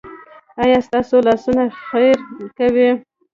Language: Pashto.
ایا ستاسو لاسونه خیر کوي؟